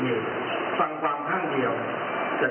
ก็ยังไม่รู้ว่ามันจะยังไม่รู้ว่า